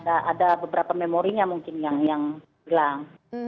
ada beberapa memorinya mungkin yang hilang